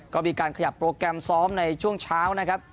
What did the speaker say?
ก็มีการขยับโปรแกรมซ้อมในช่วงเช้านะครับ